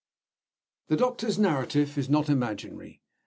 * The doctor's narrative is not imaginary.